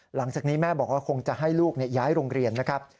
หลังจากนี้แม่บอกว่าคงจะให้ลูกย้ายโรงเรียนนะครับ